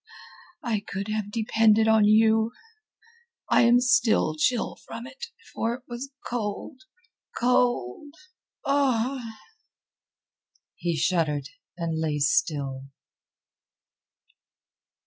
I could have depended on you. I am still chill from it, for it was cold... cold... ugh!" He shuddered, and lay still.